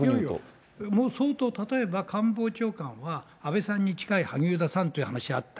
相当、例えば、官房長官は安倍さんに近い萩生田さんという話があった。